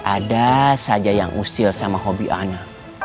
ada saja yang usir sama hobi ana